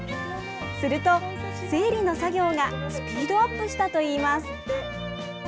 すると、整理の作業がスピードアップしたといいます。